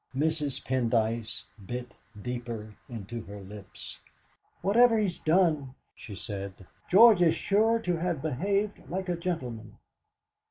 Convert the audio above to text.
Mrs. Pendyce bit deeper into her lips. "Whatever he has done," she said, "George is sure to have behaved like a gentleman!"